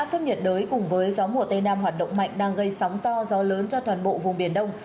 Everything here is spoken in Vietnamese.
áp thấp nhiệt đới cùng với gió mùa tây nam hoạt động mạnh đang gây sóng to gió lớn cho toàn bộ vùng biển đông